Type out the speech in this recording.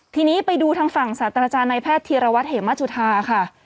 ทีนี้ไปดูทางฝั่งสาธารณาจารย์นายแพทย์เทียรวรรดิเหมือนมาจุธาค่ะ